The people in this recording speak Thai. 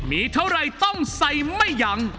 มีเท่าไรต้องใส่ไม่ยัง